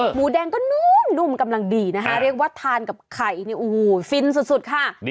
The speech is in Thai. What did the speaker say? หมูแดงก็นุ่มกำลังดีนะคะเรียกว่าทานกับไข่เนี่ยโอ้โหฟินสุดค่ะ